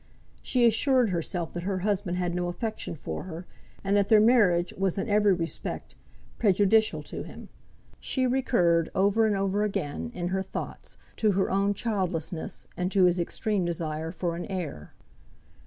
She assured herself that her husband had no affection for her, and that their marriage was in every respect prejudicial to him. She recurred over and over again, in her thoughts, to her own childlessness, and to his extreme desire for an heir.